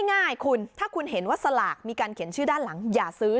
ง่ายคุณถ้าคุณเห็นว่าสลากมีการเขียนชื่อด้านหลังอย่าซื้อ